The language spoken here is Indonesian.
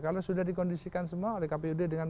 kalau sudah dikondisikan semua oleh kpud dengan